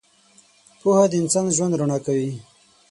• پوهه د انسان ژوند رڼا کوي.